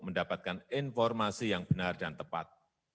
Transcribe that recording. mendapatkan informasi yang benar dan tepat